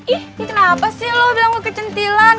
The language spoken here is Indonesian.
ih kenapa sih lo bilang gue kecentilan